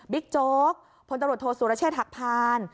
บิ๊กโจ๊กพลตรวจโทษสุรเชษฐักษ์พาล